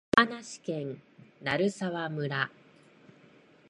山梨県鳴沢村